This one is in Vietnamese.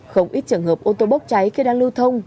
không ít trường hợp ô tô bốc cháy khi đang lưu thông